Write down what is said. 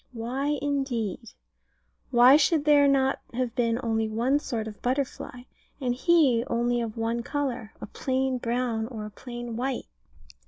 Why, indeed? Why should there not have been only one sort of butterfly, and he only of one colour, a plain brown, or a plain white?